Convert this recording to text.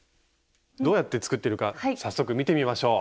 どうやって作っているか早速見てみましょう。